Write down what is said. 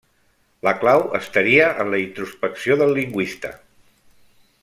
La clau estaria en la introspecció del lingüista.